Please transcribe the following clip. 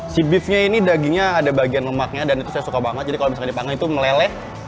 si beefnya ini dagingnya ada bagian lemaknya dan itu saya suka banget jadi kalau misalkan dipanggang itu meleleh